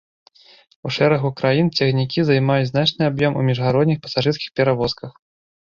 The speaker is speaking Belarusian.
У шэрагу краін цягніка займаюць значны аб'ём у міжгародніх пасажырскіх перавозках.